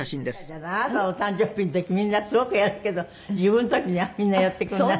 あなたのお誕生日の時みんなすごくやるけど自分の時にはみんなやってくれない。